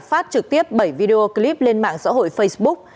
phát trực tiếp bảy video clip lên mạng xã hội facebook